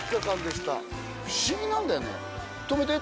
不思議なんだよね。